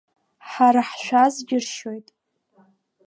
Ҳара ҳшәаз џьыршьоит.